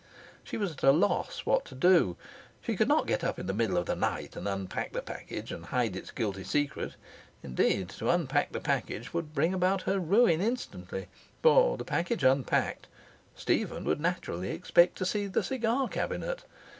She was at a loss what to do. She could not get up in the middle of the night and unpack the package and hide its guilty secret. Indeed, to unpack the package would bring about her ruin instantly; for, the package unpacked, Stephen would naturally expect to see the cigar cabinet.